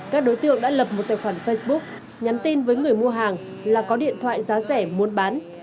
các đối tượng đã lập một tài khoản facebook nhắn tin với người mua hàng là có điện thoại giá rẻ muốn bán